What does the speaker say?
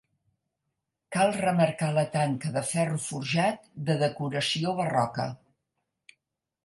Cal remarcar la tanca de ferro forjat de decoració barroca.